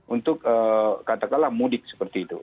untuk katakanlah mudik seperti itu